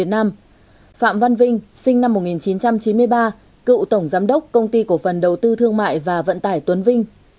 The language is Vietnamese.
phạm văn vinh sinh năm một nghìn chín trăm chín mươi ba cựu tổng giám đốc công ty cổ phần đầu tư thương mại và vận tải tuấn vinh